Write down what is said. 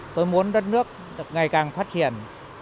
tôi muốn đất nước ngày càng phát triển